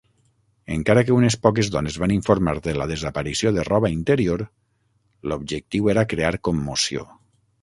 Encara que unes poques dones van informar de la desaparició de roba interior, l'objectiu era crear commoció.